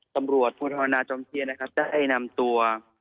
สำรวจมรณาจมเชียนะครับได้นำตัว